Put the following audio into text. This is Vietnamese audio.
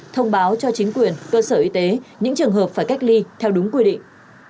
thông báo cho chính quyền cơ sở y tế những trường hợp phải cách ly theo đúng quy định